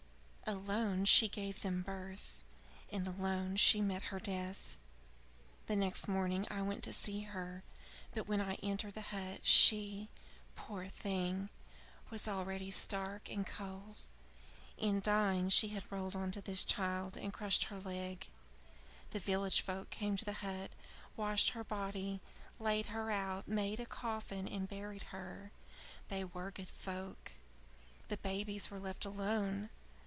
Alone she gave them birth, and alone she met her death." "The next morning I went to see her, but when I entered the hut, she, poor thing, was already stark and cold. In dying she had rolled on to this child and crushed her leg. The village folk came to the hut, washed the body, laid her out, made a coffin, and buried her. They were good folk. The babies were left alone.